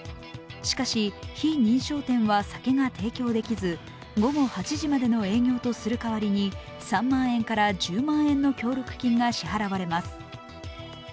しかし、非認証店は酒が提供できず午後８時までの営業とする代わりに３万円から１０万円の協力金が支払われます。